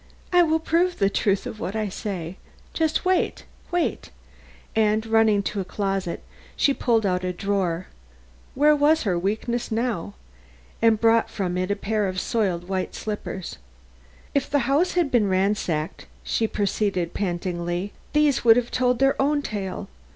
I will prove the truth of what I say. Wait wait!" and running to a closet, she pulled out a drawer where was her weakness now? and brought from it a pair of soiled white slippers. "If the house had been ransacked," she proceeded pantingly, "these would have told their own tale.